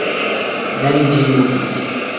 Mindi mutu.